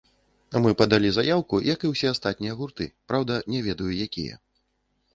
Мы падалі заяўку, які і ўсе астатнія гурты, праўда, не ведаю, якія.